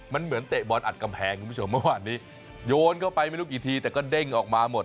มันเหมือนเตะบอลอัดกำแพงคุณผู้ชมเมื่อวานนี้โยนเข้าไปไม่รู้กี่ทีแต่ก็เด้งออกมาหมด